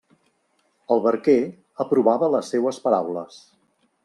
El barquer aprovava les seues paraules.